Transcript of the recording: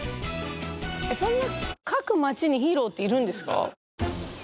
えっそんな各町にヒーローっているんですか？